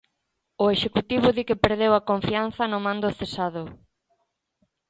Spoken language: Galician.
O Executivo di que perdeu a confianza no mando cesado.